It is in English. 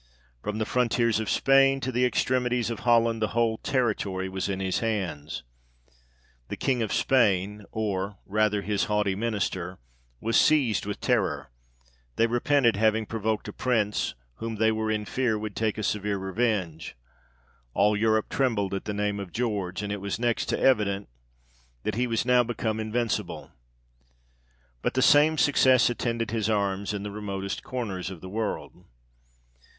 From the frontiers of Spain, to the extremities of Holland, the whole territory was in his hands. The King of Spain, or rather his haughty minister, was seized with terror ; they repented having provoked a Prince, whom they were in fear would take a severe revenge. All Europe trembled at the name of George ; and it was next to evident, that he was now become invincible. But the same success attended his arms in the remotest corners of the world.